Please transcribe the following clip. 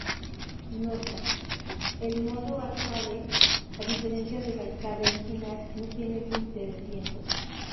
Nota: el modo arcade, a diferencia del arcade original, no tiene límite de tiempo.